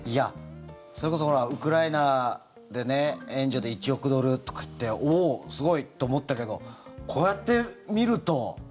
それこそほら、ウクライナで援助で１億ドルとかいっておお、すごいと思ったけどこうやって見ると。